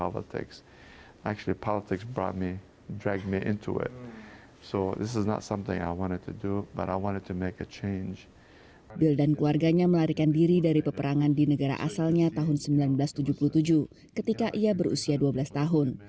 bil dan keluarganya melarikan diri dari peperangan di negara asalnya tahun seribu sembilan ratus tujuh puluh tujuh ketika ia berusia dua belas tahun